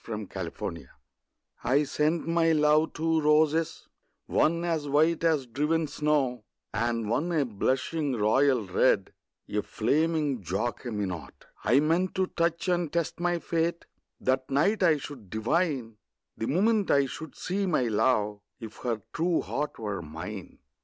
The White Flag I sent my love two roses, one As white as driven snow, And one a blushing royal red, A flaming Jacqueminot. I meant to touch and test my fate; That night I should divine, The moment I should see my love, If her true heart were mine.